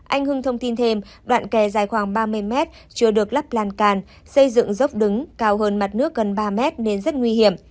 anh hưng thông tin thêm đoạn kè dài khoảng ba mươi mét chưa được lắp lan can xây dựng dốc đứng cao hơn mặt nước gần ba mét nên rất nguy hiểm